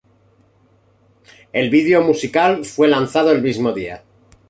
El video musical fue lanzado el mismo día.